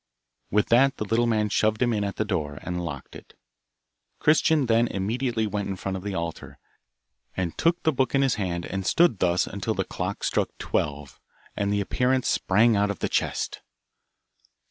With that the little man shoved him in at the door, and locked it. Christian then immediately went in front of the altar, and took the book in his hand, and stood thus until the clock struck twelve, and the appearance sprang out of the chest.